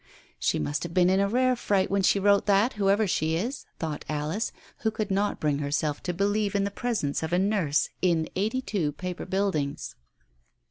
"She must have been in a rare fright when she wrote that, whoever she is !" thought Alice, who could not bring herself to believe in the presence of a nurse in 82 Paper Buildings.